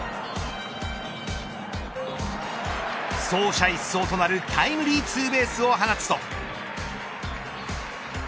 走者一掃となるタイムリーツーベースを放つと。